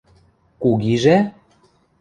– Кугижӓ?